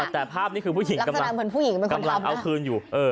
แต่ภาพนี้คือผู้หญิงกำลังเอาพื้นอยู่